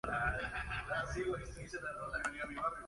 Ha logrado varios campeonatos nacionales de waterpolo.